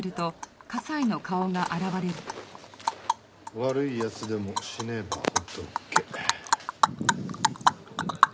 悪い奴でも死ねば仏。